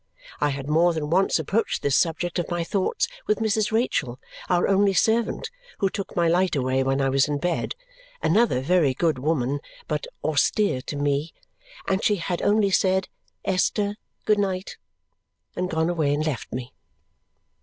I had more than once approached this subject of my thoughts with Mrs. Rachael, our only servant, who took my light away when I was in bed (another very good woman, but austere to me), and she had only said, "Esther, good night!" and gone away and left me.